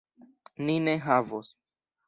Ni ne havos!